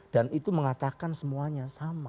dan itu mengatakan semuanya sama